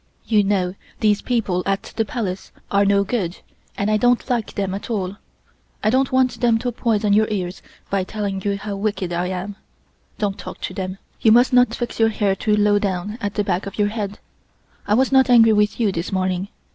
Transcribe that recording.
You know these people at the Palace are no good and I don't like them at all. I don't want them to poison your ears by telling you how wicked I am. Don't talk to them. You must not fix your hair too low down at the back of your head. I was not angry with you this morning.